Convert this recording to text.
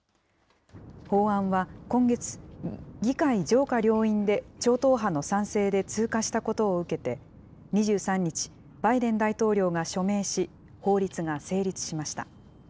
法案は今月、議会上下両院で超党派の賛成で通過したことを受けて、２３日、バイデン大統領が署名し、法律が成立しました。